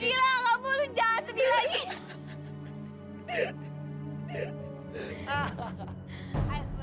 gilang kamu tuh jangan sedih lagi